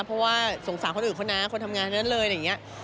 เพราะว่าสงสารคนอื่นเขานะคนทำงานทั้งนั้นเลยอะไรอย่างนี้